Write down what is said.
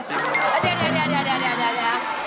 เดี๋ยว